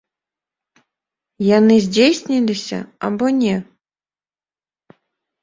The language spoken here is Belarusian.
Яны здзейсніліся або не?